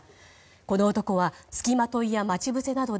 この男は付きまといや待ち伏せなどで